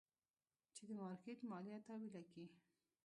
چې د مارکېټ ماليه تاويله کي.